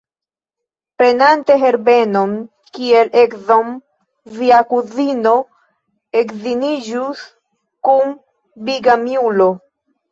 Prenante Herbenon kiel edzon, via kuzino edziniĝus kun bigamiulo.